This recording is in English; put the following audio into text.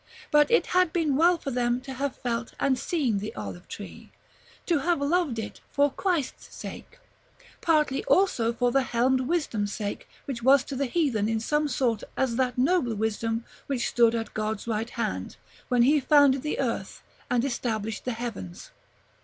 But it had been well for them to have felt and seen the olive tree; to have loved it for Christ's sake, partly also for the helmed Wisdom's sake which was to the heathen in some sort as that nobler Wisdom which stood at God's right hand, when He founded the earth and established the heavens.